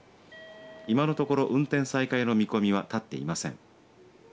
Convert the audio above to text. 今のところ運転再開の見込みは立っていません。